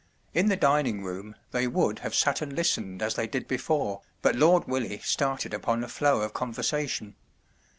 In the dining room they would have sat and listened as they did before, but Lord Willie started upon a flow of con¬ versation.